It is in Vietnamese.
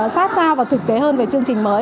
sát sao và thực tế hơn về chương trình mới